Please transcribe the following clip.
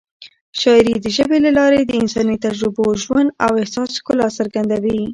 شاعري د ژبې له لارې د انساني تجربو، ژوند او احساس ښکلا څرګندوي.